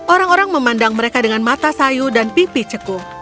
orang orang memandang mereka dengan mata sayu dan pipi cekung